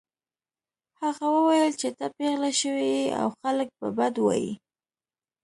هغه وویل چې ته پیغله شوې يې او خلک به بد وايي